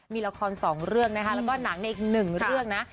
มีละครสองเรื่องนะคะแล้วก็หนังในอีกหนึ่งเรื่องนะ